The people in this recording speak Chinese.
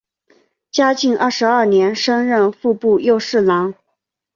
嘉靖二十二年升任户部右侍郎。